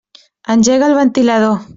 Engega el ventilador.